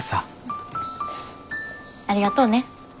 ありがとうね。